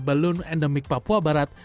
balun endemic papua barat